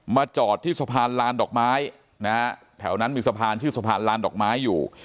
จอดที่สะพานลานดอกไม้นะฮะแถวนั้นมีสะพานชื่อสะพานลานดอกไม้อยู่